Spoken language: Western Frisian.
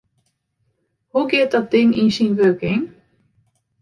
Hoe giet dat ding yn syn wurking?